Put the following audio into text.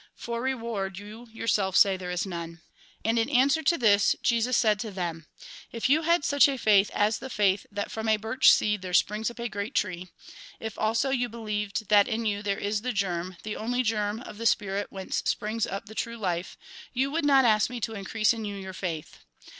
For reward, you yourself say there is none." And in answer to this, Jesus said to them :" If you had such a faith as the faith that from a birch seed there springs up a great tree ; if, also, you be lieved that in you there is the germ, the only germ, of the spirit whence springs up the true life, you would not ask me to increase in you your faith.